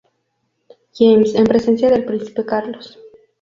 James, en presencia del príncipe Carlos.